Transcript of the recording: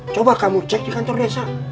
coba kamu cek di kantor desa